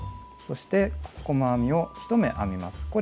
そして細編みを１目編みます。